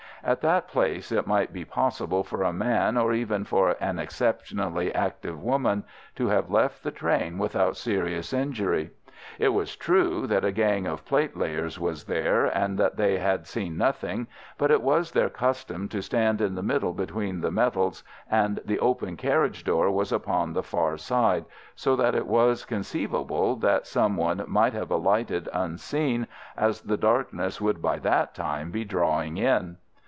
At that place it might be possible for a man, or even for an exceptionally active woman, to have left the train without serious injury. It was true that a gang of platelayers was there, and that they had seen nothing, but it was their custom to stand in the middle between the metals, and the open carriage door was upon the far side, so that it was conceivable that someone might have alighted unseen, as the darkness would by that time be drawing in.